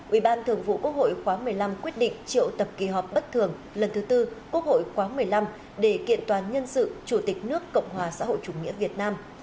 ubthqh một mươi năm quyết định triệu tập kỳ họp bất thường lần thứ tư quốc hội quáng một mươi năm để kiện toàn nhân sự chủ tịch nước cộng hòa xã hội chủ nghĩa việt nam